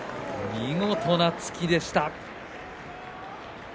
見事な突きでした。